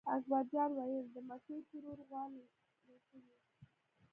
اکبر جان وېل: د مکۍ ترور غوا لنګه شوې.